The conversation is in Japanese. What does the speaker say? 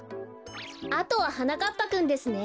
あとははなかっぱくんですね。